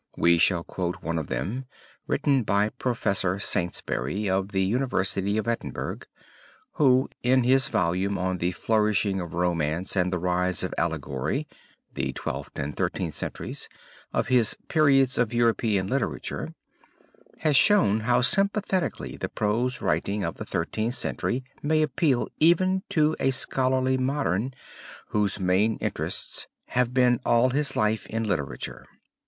We shall quote but one of them, written by Professor Saintsbury of the University of Edinburgh, who in his volume on the Flourishing of Romance and the Rise of Allegory (the Twelfth and Thirteenth centuries) of his Periods of European Literature, has shown how sympathetically the prose writing of the Thirteenth Century may appeal even to a scholarly modern, whose main interests have been all his life in literature.